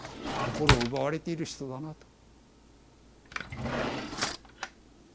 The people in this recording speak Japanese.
「心を奪われている人だな」と。